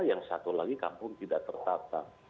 yang satu lagi kampung tidak tertata